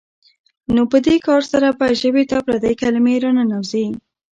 نو په دې کار سره به ژبې ته پردۍ کلمې راننوځي.